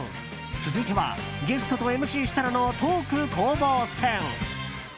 続いてはゲストとＭＣ設楽のトーク攻防戦。